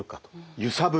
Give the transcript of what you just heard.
ゆさぶる？